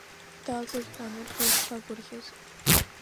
Далҵит ҳәа анраҳа ишԥагәырӷьаз…